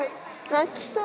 泣きそう。